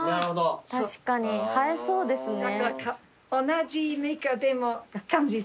確かに映えそうですね。